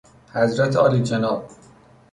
حضرت عالیجناب